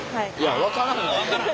あ分からん。